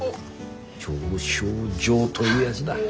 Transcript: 表彰状というやづだ。